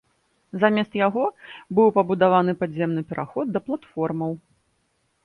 Замест яго быў пабудаваны падземны пераход да платформаў.